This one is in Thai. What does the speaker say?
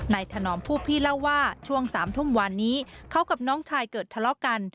ถนอมผู้พี่เล่าว่าช่วง๓ทุ่มวานนี้เขากับน้องชายเกิดทะเลาะกัน